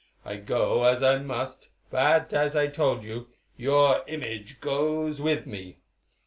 I go, as I must, but, as I told you, your image goes with me.